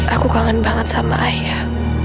aku kangen banget sama ayah